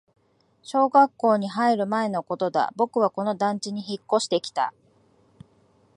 小学校に入る前のことだ、僕はこの団地に引っ越してきた